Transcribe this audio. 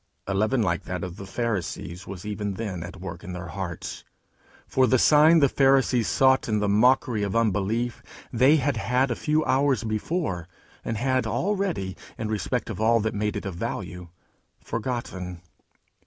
A leaven like that of the Pharisees was even then at work in their hearts; for the sign the Pharisees sought in the mockery of unbelief, they had had a few hours before, and had already, in respect of all that made it of value, forgotten.